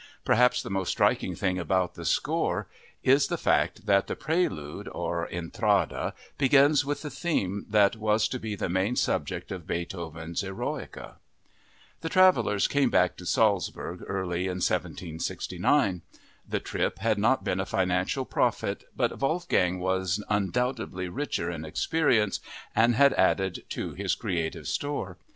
Perhaps the most striking thing about the score is the fact that the prelude, or intrada, begins with the theme that was to be the main subject of Beethoven's Eroica. The travelers came back to Salzburg early in 1769. The trip had not been a financial profit, but Wolfgang was undoubtedly richer in experience and had added to his creative store.